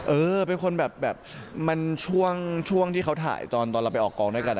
เออเป็นคนแบบมันช่วงที่เขาถ่ายตอนเราไปออกกองด้วยกัน